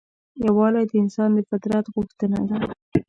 یووالی د انسان د فطرت غوښتنه ده.